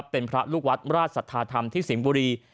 เป็นพระลูกวัดราชสัทธาธรรมที่สิงห์บุรี